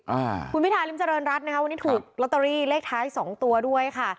อ่าคุณพิธาริมเจริญรัฐนะคะวันนี้ถูกลอตเตอรี่เลขท้ายสองตัวด้วยค่ะ